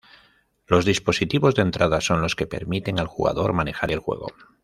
Los dispositivos de entrada son los que permiten al jugador manejar el juego.